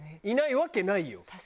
いないわけないよ。